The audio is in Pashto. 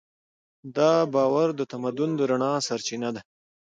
دا باور د تمدن د رڼا سرچینه ده.